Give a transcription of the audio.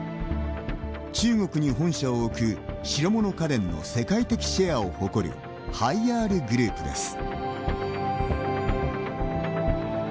中国に本社を置く白物家電の世界的シェアを誇るハイアールグループです。